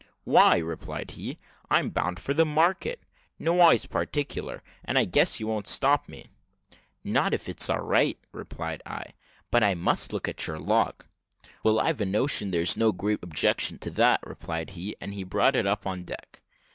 "Why," replied he, "I'm bound for a market nowise particular; and I guess you won't stop me." "Not if all's right," replied I; "but I must look at your log." "Well, I've a notion there's no great objection to that," replied he; and he brought it up on deck.